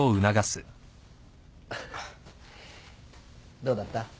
どうだった？